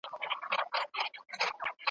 چي په سترګو ورته ګورم په پوهېږم ,